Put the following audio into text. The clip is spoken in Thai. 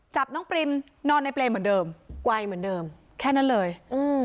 จับน้องปริมนอนในเปรย์เหมือนเดิมไกลเหมือนเดิมแค่นั้นเลยอืม